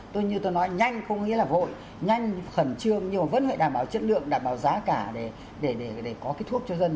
tôi như tôi nói nhanh không nghĩa là vội nhanh khẩn trương nhưng mà vẫn phải đảm bảo chất lượng đảm bảo giá cả để có cái thuốc cho dân